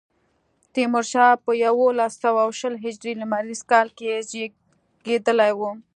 تیمورشاه په یوولس سوه شل هجري لمریز کال کې زېږېدلی و.